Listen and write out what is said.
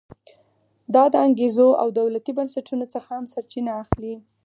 دا د انګېزو او دولتي بنسټونو څخه هم سرچینه اخلي.